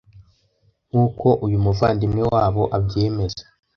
nk’uko uyu muvandimwe wabo abyemeza.